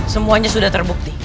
semuanya sudah terbukti